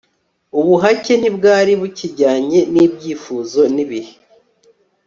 ubuhake ntibwari bukijyanye n'ibyifuzo n'ibihe